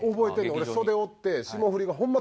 俺袖おって霜降りがホンマ